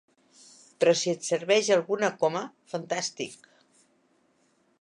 Però si et serveix alguna coma, fantàstic.